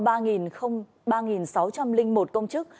ba sáu trăm linh một công chức viên chức